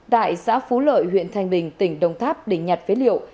tại xã phú lợi huyện thanh bình tỉnh đồng tháp đỉnh nhật phế liệu